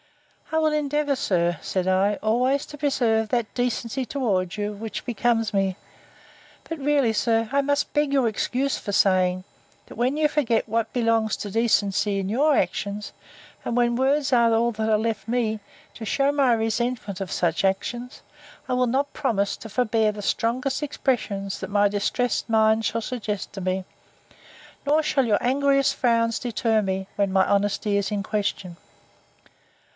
I will endeavour, sir, said I, always to preserve that decency towards you which becomes me. But really, sir, I must beg your excuse for saying, That when you forget what belongs to decency in your actions, and when words are all that are left me, to shew my resentment of such actions, I will not promise to forbear the strongest expressions that my distressed mind shall suggest to me: nor shall your angriest frowns deter me, when my honesty is in question.